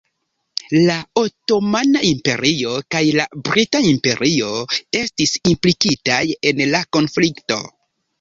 La Otomana Imperio kaj la Brita Imperio estis implikitaj en la konflikto.